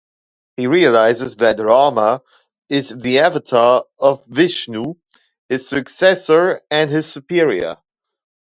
He realizes that Rama is the avatar of Vishnu, his successor and his superior.